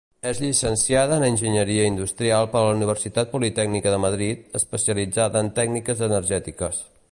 És llicenciada en Enginyeria Industrial per la Universitat Politècnica de Madrid, especialitzada en tècniques energètiques.